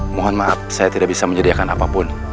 mohon maaf saya tidak bisa menyediakan apapun